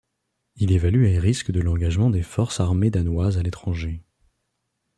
Il évalue les risques de l’engagement des forces armées danoises à l’étranger.